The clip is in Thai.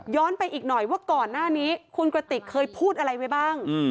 ไปอีกหน่อยว่าก่อนหน้านี้คุณกระติกเคยพูดอะไรไว้บ้าง